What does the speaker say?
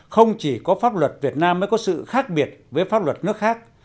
không chỉ có pháp luật việt nam mới có sự khác biệt với pháp luật nước khác